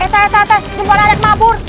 eh tarah tarah tarah semua lari kemabur